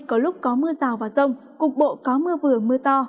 có lúc có mưa rào và rông cục bộ có mưa vừa mưa to